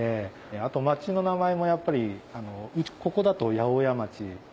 あと町の名前もやっぱりここだと八百屋町。